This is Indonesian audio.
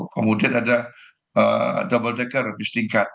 kemudian ada double decker bus tingkat